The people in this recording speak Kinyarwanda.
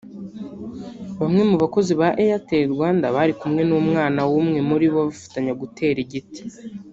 Bamwe mu bakozi ba Airtel Rwanda bari kumwe n'umwana w'umwe muri bo bafatanya gutera igiti